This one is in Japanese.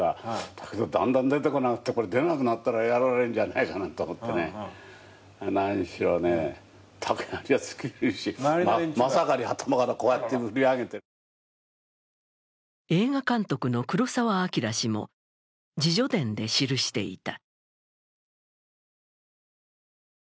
だけど、だんだん出てこなくなって、これ出てこなくなると、やられるんじゃないかと思ってね、なにしろまさかり頭からこうやって振り上げて映画監督の黒澤明氏も自叙伝で記していた。